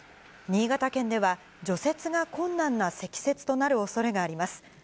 新潟県では除雪が困難な積雪となるおそれがあります。